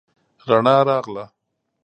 رڼا راغله